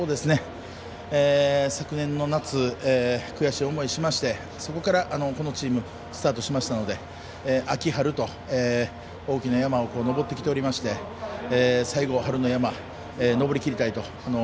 昨年の夏悔しい思いをしましてそこから、このチームスタートしましたので、秋春と大きな山を登ってきておりまして最後、春の山、登りきりたいと。